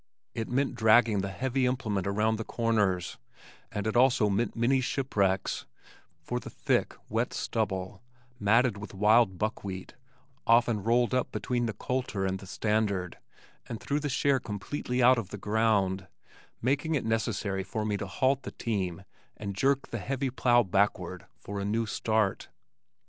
It meant dragging the heavy implement around the corners, and it meant also many ship wrecks, for the thick, wet stubble matted with wild buckwheat often rolled up between the coulter and the standard and threw the share completely out of the ground, making it necessary for me to halt the team and jerk the heavy plow backward for a new start.